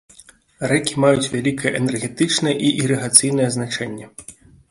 Рэкі маюць вялікае энергетычнае і ірыгацыйнае значэнне.